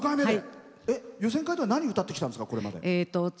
予選会では何を歌ってきたんですか？